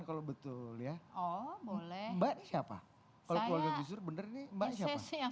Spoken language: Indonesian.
kalau betul ya oh boleh mbak siapa kalau keluarga gus dur bener nih mbak siapa yang